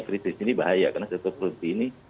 kritis ini bahaya karena sektor properti ini